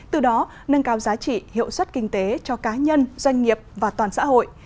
từ đó nâng cao giá trị hiệu suất kinh tế cho cá nhân doanh nghiệp và toàn xã hội